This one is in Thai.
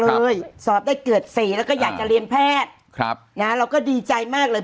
เลยสอบได้เกิดเสียก็อยากจะเรียนแพทย์เราก็ดีใจมากเลย